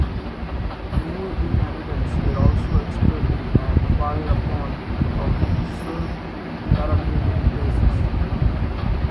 Many inhabitants were also expelled and fired upon from Serb paramilitary bases.